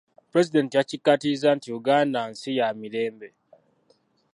Pulezidenti yakikaatirizza nti Uganda nsi ya mirembe.